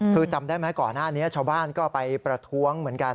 คือจำได้ไหมก่อนหน้านี้ชาวบ้านก็ไปประท้วงเหมือนกัน